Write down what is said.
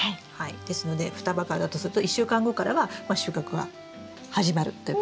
ですので双葉からだとすると１週間後からは収穫は始まるということですね。